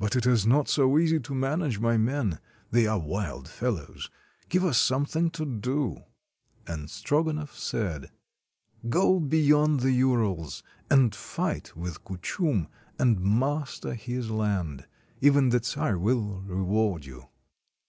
But it is not so easy to manage my men ; they are wild fellows. Give us something to do." And Strogonoff said :—" Go beyond the Urals, and fight with Kuchum and master his land. Even the czar will reward you."